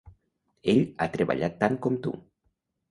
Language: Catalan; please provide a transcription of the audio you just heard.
Ell ha treballat tant com tu.